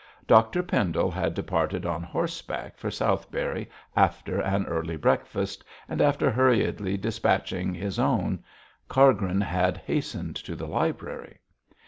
Dr Pendle had departed on horseback for Southberry after an early breakfast, and after hurriedly despatching his own, Cargrim had hastened to the library.